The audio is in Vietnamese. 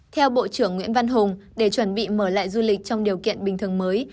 theo bộ trưởng nguyễn văn hùng để chuẩn bị mở lại du lịch trong điều kiện bình thường mới